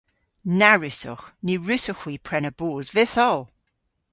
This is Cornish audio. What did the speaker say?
Na wrussowgh. Ny wrussowgh hwi prena boos vytholl.